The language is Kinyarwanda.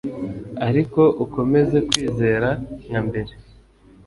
Ariko ukomeze kwizera nka mbere